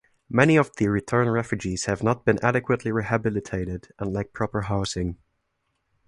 Many of the return refugees have not been adequately rehabilitated and lack proper housing.